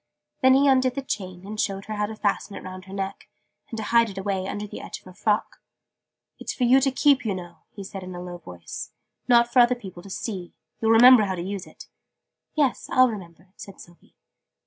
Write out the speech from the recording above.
Then he undid the chain, and showed her how to fasten it round her neck, and to hide it away under the edge of her frock. "It's for you to keep you know he said in a low voice, not for other people to see. You'll remember how to use it?" "Yes, I'll remember," said Sylvie.